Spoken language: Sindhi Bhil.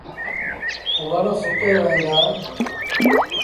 وڻ سُڪي وهيݩ دآ۔